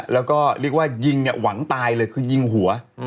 แล้วก็เรียกว่ายิงเนี่ยหวังตายเลยคือยิงหัว